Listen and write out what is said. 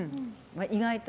意外と。